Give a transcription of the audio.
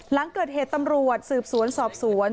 หลังเกิดเหตุตำรวจสืบสวนสอบสวน